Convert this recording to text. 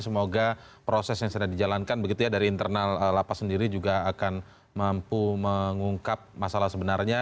semoga proses yang sedang dijalankan begitu ya dari internal lapas sendiri juga akan mampu mengungkap masalah sebenarnya